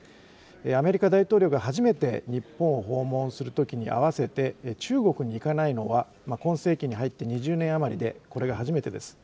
アメリカ大統領が初めて日本を訪問するときにあわせて中国に行かないのは、今世紀に入って２０年余りで、これが初めてです。